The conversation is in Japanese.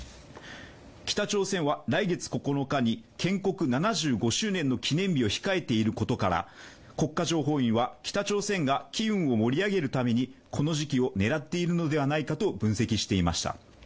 北朝鮮は来月９日に建国７５周年の記念日を控えていることから国家情報院は北朝鮮が機運を盛り上げるためにこの時期を狙っているのではないかと分析していました。